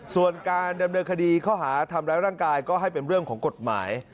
ส่วนการดำเนินคดีข้อหาทำร้ายร่างกายก็ให้เป็นเรื่องของกฎหมาย